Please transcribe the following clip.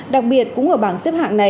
đặc biệt cũng ở bảng xếp hạng này